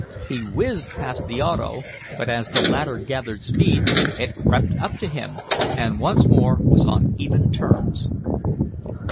He whizzed past the auto, but, as the latter gathered speed, it crept up to him, and, once more was on even terms.